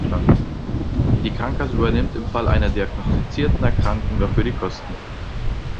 Die Krankenkasse übernimmt im Fall einer diagnostizierten Erkrankung dafür die Kosten.